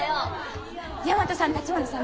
大和さん橘さん